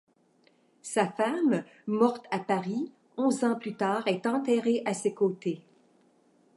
Sa femme, morte à Paris onze ans plus tard, est enterrée à ses côtés.